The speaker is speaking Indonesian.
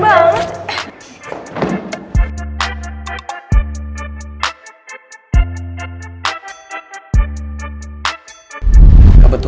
pak aku bisa bantu